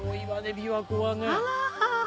琵琶湖はね。